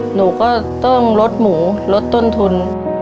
หนูก็ต้องลดหมูลดต้นทุน